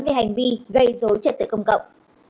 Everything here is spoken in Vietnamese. về hành vi gây dấu chất tự công cộng